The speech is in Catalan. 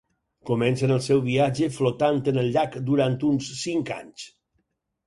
Comencen el seu viatge flotant en el llac durant uns cinc anys.